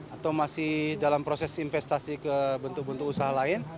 atau masih dalam proses investasi ke bentuk bentuk usaha lain